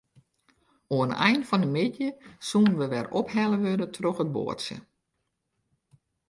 Oan 'e ein fan 'e middei soene wy wer ophelle wurde troch it boatsje.